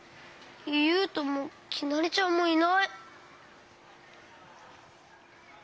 ゆうともきなりちゃんもいない。